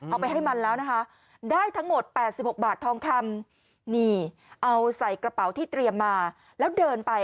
เอาไปให้มันแล้วนะคะได้ทั้งหมด๘๖บาททองคำนี่เอาใส่กระเป๋าที่เตรียมมาแล้วเดินไป